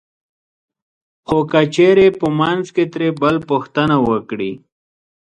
خو که چېرې په منځ کې ترې بل پوښتنه وکړي